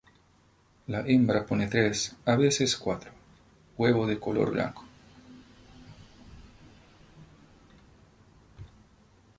La hembra pone tres, a veces cuatro, huevos de color blanco.